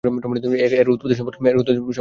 এর উৎপত্তি সম্পর্কে জানা যায়নি।